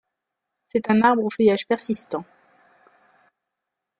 C'est un arbre au feuillage persistant.